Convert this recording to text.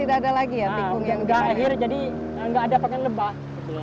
tidak ada lagi tikung yang berakhir jadi tidak ada pakaian lebah